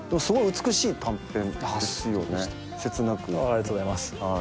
ありがとうございます。